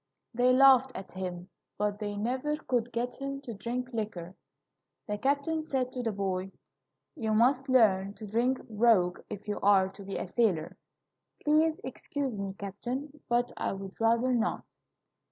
They laughed at him, but they never could get him to drink liquor. The captain said to the boy: "You must learn to drink grog if you are to be a sailor." "Please excuse me, captain, but I would rather not."